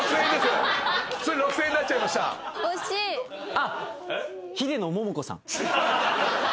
あっ。